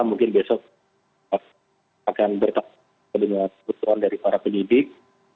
mungkin besok akan bertahun tahun kebanyakan kesempatan dari para pendidik